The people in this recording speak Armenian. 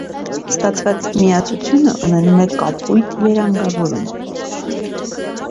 Ստացված միացությունը ունենում է կապույտ երանգավորում։